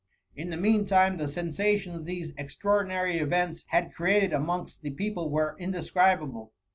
In the mean time, the sensations these extras ordinary events had created amongst the people were indescribable.